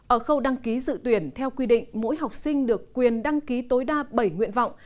ở khâu đăng ký dự tuyển theo quy định mỗi học sinh được quyền đăng ký tối đa bảy nguyện vọng